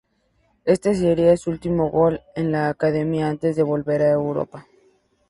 Este sería su último gol en "La Academia" antes de volver a Europa.